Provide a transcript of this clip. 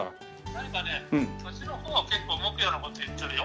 「何かね土地の方は結構動くような事言ってるよ」